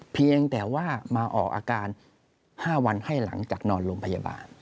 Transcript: เพียงแต่ว่ามาออกอาการ๕วันให้หลังจากนอนโรงพยาบาล